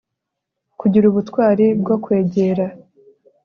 kugira ubutwari bwo kugera